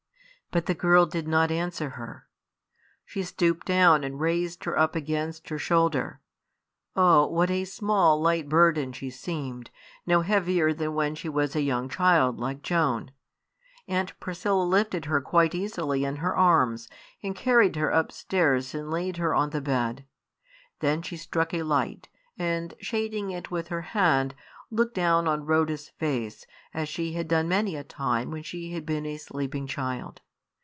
But the girl did not answer her. She stooped down and raised her up against her shoulder. Oh! what a small, light burden she seemed, no heavier than when she was a young child like Joan. Aunt Priscilla lifted her quite easily in her arms, and carried her upstairs and laid her on the bed. Then she struck a light, and, shading it with her hand, looked down on Rhoda's face, as she had done many a time when she had been a sleeping child.